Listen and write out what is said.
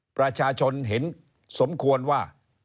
ประชาชนเห็นสมควรว่า